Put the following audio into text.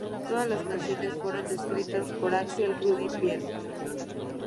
Todas las canciones fueron escritas por Axel Rudi Pell